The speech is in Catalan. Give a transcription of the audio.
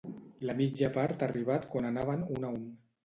La mitja part ha arribat quan anaven un a un.